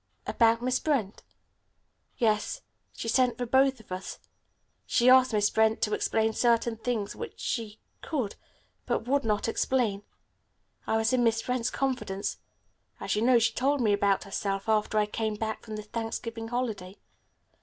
"About Miss Brent?" "Yes. She sent for both of us. She asked Miss Brent to explain certain things which she could, but would not, explain. I was in Miss Brent's confidence. As you know, she told me about herself after I came back from the Thanksgiving holiday.